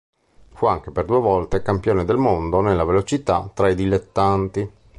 Fu anche per due volte campione del mondo nella velocità tra i dilettanti.